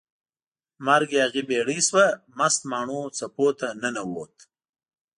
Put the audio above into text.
مرک یاغي بیړۍ شوه، مست ماڼو څپو ته ننووت